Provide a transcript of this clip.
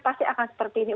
pasti akan seperti ini